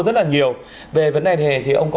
rất là nhiều về vấn đề này thì ông có